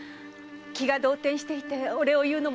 気が動転していてお礼を言うのも忘れてしまって。